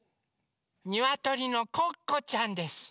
にわとりのコッコちゃんです。